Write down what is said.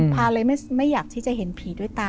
พาเลยไม่อยากที่จะเห็นผีด้วยตา